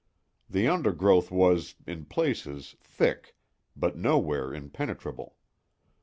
The undergrowth was, in places, thick, but nowhere impenetrable.